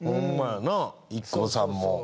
やなＩＫＫＯさんも。